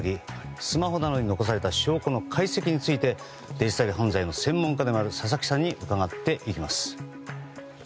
スマホなどに残された証拠の解析についてデジタル犯罪の専門家でもある佐々木さんに伺っていきます。